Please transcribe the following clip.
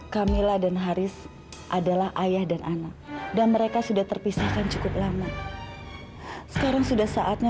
camilla dan haris adalah ayah dan anak dan mereka sudah terpisahkan cukup lama sekarang sudah saatnya